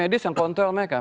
medis yang kontrol mereka